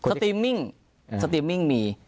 สตรีมมิ่งสติมมิ่งมี